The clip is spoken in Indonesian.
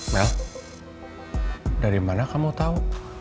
mel dari mana kamu tahu